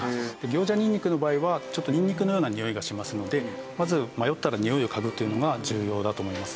ギョウジャニンニクの場合はちょっとニンニクのようなにおいがしますのでまず迷ったらにおいを嗅ぐというのが重要だと思います。